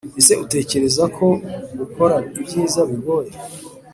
Ese utekereza ko gukora ibyiza bigoye